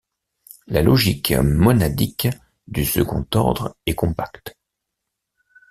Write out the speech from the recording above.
La logique monadique du second ordre est compacte.